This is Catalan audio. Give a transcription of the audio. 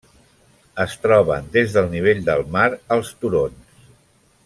Es troben des del nivell del mar als turons.